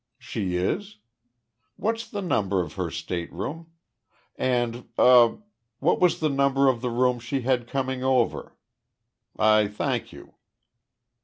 She is? What's the number of her stateroom? And er what was the number of the room she had coming over?... I thank you."